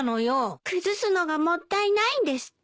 崩すのがもったいないんですって。